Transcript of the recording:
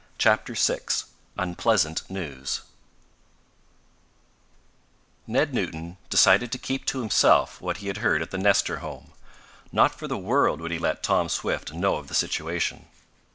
CHAPTER VI UNPLEASANT NEWS Ned Newton decided to keep to himself what he had heard at the Nestor home. Not for the world would he let Tom Swift know of the situation.